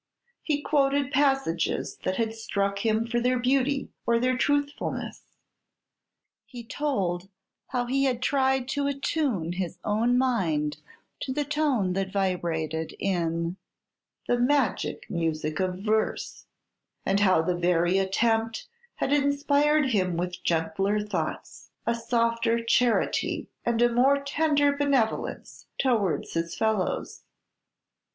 He quoted passages that had struck him for their beauty or their truthfulness; he told how he had tried to allure his own mind to the tone that vibrated in "the magic music of verse," and how the very attempt had inspired him with gentler thoughts, a softer charity, and a more tender benevolence towards his fellows.